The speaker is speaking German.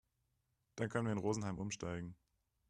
Dann können wir in Rosenheim umsteigen.